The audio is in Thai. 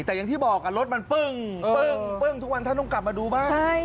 แต่อย่างที่บอกรถมันปึ้งปึ้งทุกวันท่านต้องกลับมาดูบ้าง